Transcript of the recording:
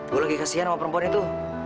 gue lagi kasihan sama perempuan itu